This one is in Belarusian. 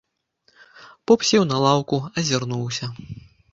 Поп сеў на лаўку, азірнуўся.